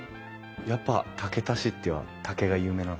やっぱ竹田市って竹が有名なんですか？